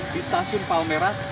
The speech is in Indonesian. di stasiun palmerang